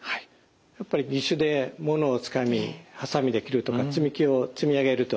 やっぱり義手でものをつかみはさみで切るとか積み木を積み上げると。